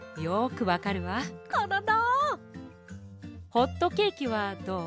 ホットケーキはどう？